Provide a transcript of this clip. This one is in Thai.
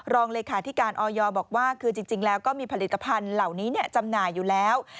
รองเลขาธิการออยบอกว่าคือจริงแล้วก็มีผลิตภัณฑ์เหล่านี้จำหน่ายอยู่แล้ว